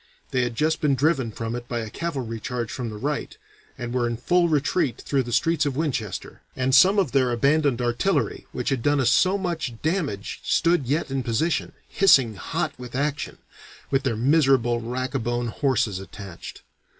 They had just been driven from it by a cavalry charge from the right, and were in full retreat through the streets of Winchester, and some of their abandoned artillery which had done us so much damage stood yet in position, hissing hot with action, with their miserable rac a bone horses attached.